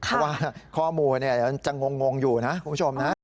เพราะว่าข้อมูลจะงงอยู่นะคุณผู้ชมนะ